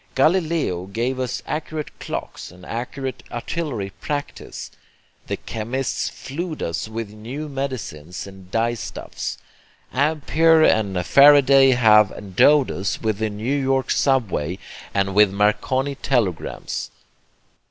Galileo gave us accurate clocks and accurate artillery practice; the chemists flood us with new medicines and dye stuffs; Ampere and Faraday have endowed us with the New York subway and with Marconi telegrams.